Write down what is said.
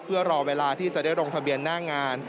เพื่อรอเวลาที่จะได้ลงทะเบียนหน้างาน